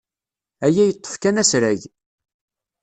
Aya yeṭṭef kan asrag.